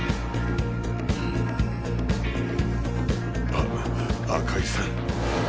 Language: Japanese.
あ赤井さん。